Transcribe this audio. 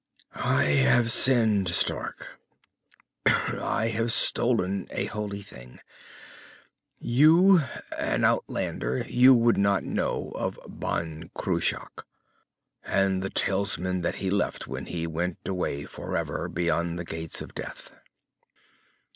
"I have sinned, Stark. I have stolen a holy thing. You're an outlander, you would not know of Ban Cruach, and the talisman that he left when he went away forever beyond the Gates of Death."